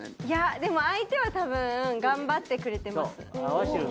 いやでも相手はたぶん頑張ってくれてます。